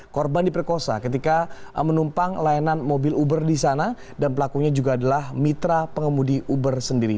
korban diperkosa ketika menumpang layanan mobil uber di sana dan pelakunya juga adalah mitra pengemudi uber sendiri